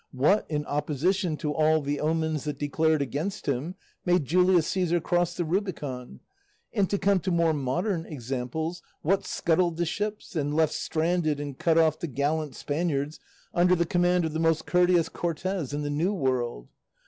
What, in opposition to all the omens that declared against him, made Julius Caesar cross the Rubicon? And to come to more modern examples, what scuttled the ships, and left stranded and cut off the gallant Spaniards under the command of the most courteous Cortes in the New World?